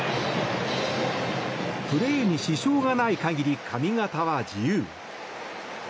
プレーに支障がない限り髪形は自由。